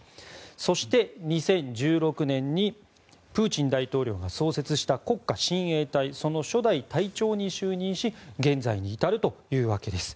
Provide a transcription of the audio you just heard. そして、２０１６年にプーチン大統領が創設した国家親衛隊その初代隊長に就任し現在に至るというわけです。